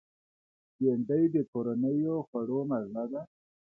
بېنډۍ د کورنیو خوړو مزه ده